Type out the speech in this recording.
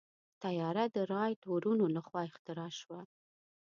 طیاره د رائټ وروڼو لخوا اختراع شوه.